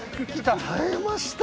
耐えました！